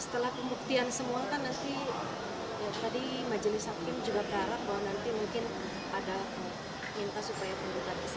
setelah pembuktian semua kan nanti ya tadi majelis hakim juga berharap bahwa nanti mungkin ada minta supaya tuntutan tersebut